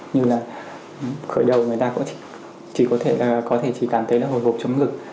như là khởi đầu người ta có thể chỉ cảm thấy hồi hộp chống ngực